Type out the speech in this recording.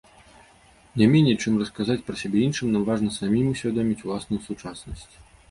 Не меней, чым расказаць пра сябе іншым, нам важна самім усвядоміць уласную сучаснасць.